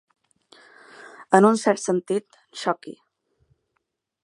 En un cert sentit, xoqui.